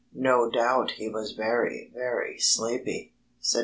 "No doubt he was very, very sleepy," said Mr. Grouse.